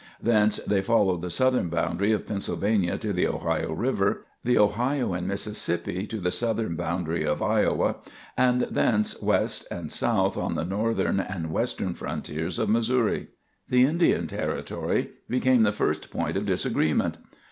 Thence they followed the southern boundary of Pennsylvania to the Ohio River, the Ohio and Mississippi to the southern boundary of Iowa, and thence west and south on the northern and western frontiers of Missouri. The Indian Territory became the first point of disagreement.